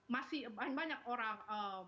masih banyak orang